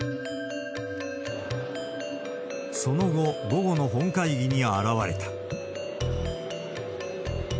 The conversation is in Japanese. その後、午後の本会議に現れた。